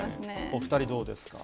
お２人、どうですか。